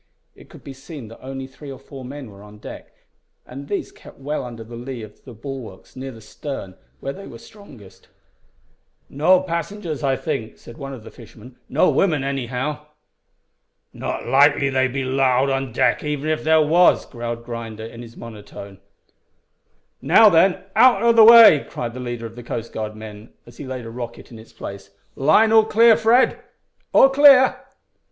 It could be seen that only three or four men were on deck, and these kept well under the lee of the bulwarks near the stern where they were strongest. "No passengers, I think," said one of the fishermen; "no women, anyhow." "Not likely they'd be 'lowed on deck even if there was," growled Grinder, in his monotone. "Now, then, out o' the way," cried the leader of the Coast Guard men, as he laid a rocket in its place. "Line all clear, Fred?" "All clear."